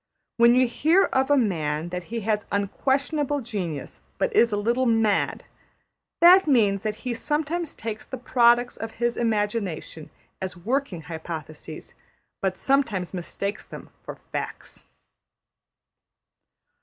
When you hear of a man that he has unquestionable genius but is a little mad, that means that he sometimes takes the products of his imagination as working hypotheses, but sometimes mistakes them for facts.